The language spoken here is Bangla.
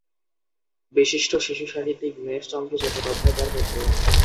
বিশিষ্ট শিশুসাহিত্যিক দীনেশচন্দ্র চট্টোপাধ্যায় তার পুত্র।